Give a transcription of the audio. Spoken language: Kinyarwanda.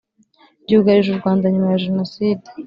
byugarije u Rwanda nyuma ya Jenoside